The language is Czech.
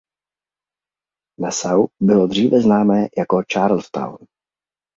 Nassau bylo dříve známé jako Charles Town.